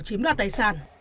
chiếm đoạt tài sản